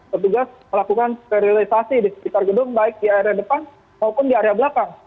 petugas melakukan sterilisasi di sekitar gedung baik di area depan maupun di area belakang